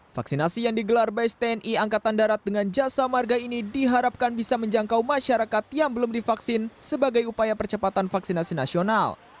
vaksinasi yang digelar bais tni angkatan darat dengan jasa marga ini diharapkan bisa menjangkau masyarakat yang belum divaksin sebagai upaya percepatan vaksinasi nasional